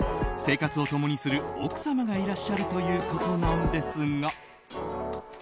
生活を共にする奥様がいらっしゃるということなんですが。